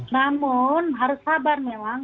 namun harus sabar memang